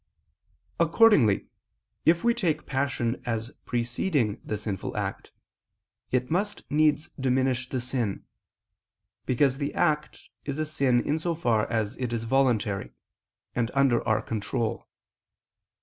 Accordingly if we take passion as preceding the sinful act, it must needs diminish the sin: because the act is a sin in so far as it is voluntary, and under our control.